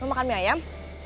mau makan mie ayam